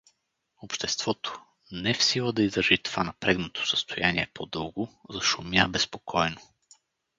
Обществото, не в сила да издържи това напрегнато състояние по-дълго, зашумя безпокойно.